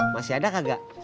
masih ada kagak